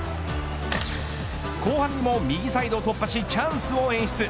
後半にも右サイドを突破しチャンスを演出。